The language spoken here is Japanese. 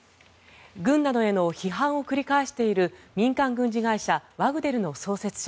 軍などへの批判を繰り返している民間軍事会社ワグネルの創設者